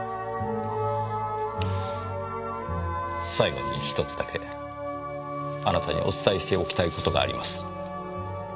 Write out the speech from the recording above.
最後に１つだけあなたにお伝えしておきたい事があります。